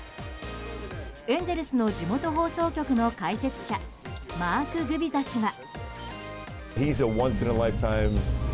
エンゼルスの地元放送局の解説者マーク・グビザ氏は。